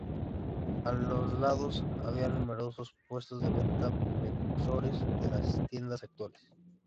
A los lados, había numerosos puestos de venta, precursores de las tiendas actuales.